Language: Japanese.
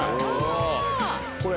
これ。